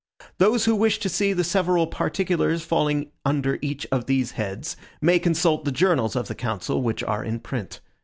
Those who wish to see the several particulars falling under each of these heads, may consult the journals of the council, which are in print.